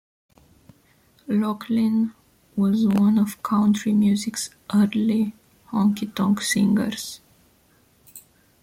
Locklin was one of country music's early honky tonk singers.